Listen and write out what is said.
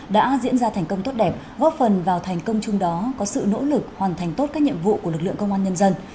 đã diễn ra thành công tốt đẹp góp phần vào thành công chung đó có sự nỗ lực hoàn thành tốt các nhiệm vụ của lực lượng công an nhân dân